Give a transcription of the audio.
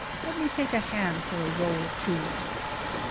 Let me take a hand for a row or two."